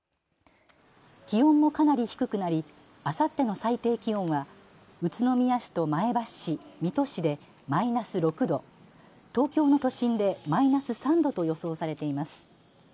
気温もかなり低くなりあさっての最低気温は宇都宮市と前橋市、水戸市でマイナス６度、東京の都心でマイナス３度と予想されています。